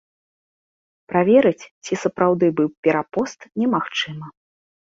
Праверыць, ці сапраўды быў перапост, немагчыма.